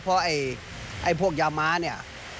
เพราะไอ้พวกยาม้าเนี่ย